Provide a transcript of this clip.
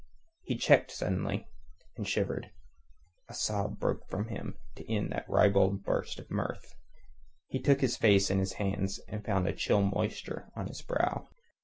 He checked suddenly, and shivered. A sob broke from him to end that ribald burst of mirth. He took his face in his hands and found a chill moisture on his brow.